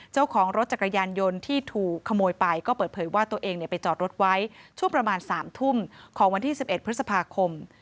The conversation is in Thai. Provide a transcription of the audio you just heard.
เจ้าของรถจักรยานยนต์ที่ถูกขโมยไปก็เปิดเผยว่าตัวเองไปจอดรถไว้ช่วงประมาณ๓ทุ่มของวันที่๑๑พฤษภาคม